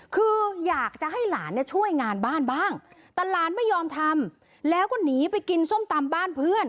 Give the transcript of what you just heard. คืออยากจะให้หลานเนี่ยช่วยงานบ้านบ้างแต่หลานไม่ยอมทำแล้วก็หนีไปกินส้มตำบ้านเพื่อน